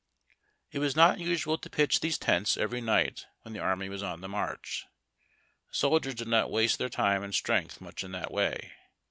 It was not usual to pitch these tents every night wlien the army was on the march. The soldiers did not waste their time and strength much in that way.